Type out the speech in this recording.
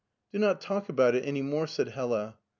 " Do not talk about it any more," said Hella.